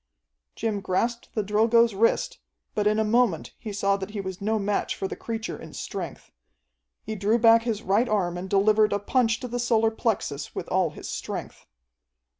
Jim grasped the Drilgo's wrist, but in a moment he saw that he was no match for the creature in strength. He drew back his right arm and delivered a punch to the solar plexus with all his strength.